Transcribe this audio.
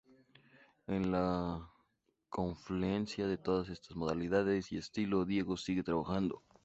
En la confluencia de todas estas modalidades y estilos, Diego sigue trabajando.